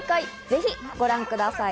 ぜひご覧ください。